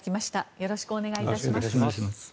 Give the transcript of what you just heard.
よろしくお願いします。